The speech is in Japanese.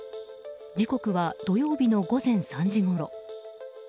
時刻は土曜日の午前３時ごろ。